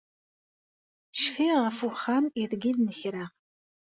Cfiɣ ɣef wexxam aydeg ay d-nekreɣ.